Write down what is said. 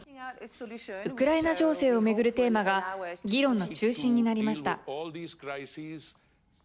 ウクライナ情勢をめぐるテーマが議論の中心になりました。